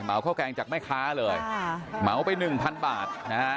เหมาข้าวแกงจากแม่ค้าเลยเหมาไป๑๐๐๐บาท